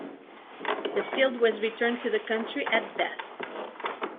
The field was returned to the country at death.